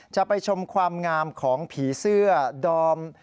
จะไปชมความงามของผีเสื้อดอม